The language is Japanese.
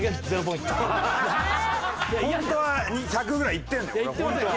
ホントは１００ぐらいいってるのよ